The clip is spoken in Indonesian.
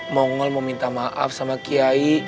mongol mau minta maaf sama kiai